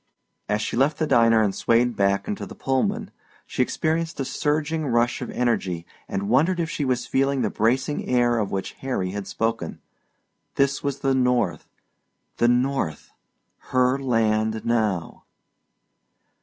As she left the diner and swayed back into the Pullman she experienced a surging rush of energy and wondered if she was feeling the bracing air of which Harry had spoken. This was the North, the North her land now!